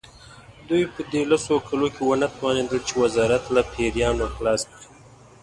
دوی په دې لسو کالو کې ونه توانېدل چې وزارت له پیریانو خلاص کړي.